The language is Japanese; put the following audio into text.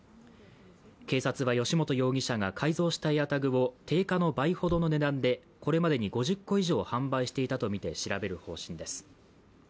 警察は、由元容疑者が改造したＡｉｒＴａｇを定価の倍ほどの値段で、これまでに５０個以上販売していたとみて調べる方針です。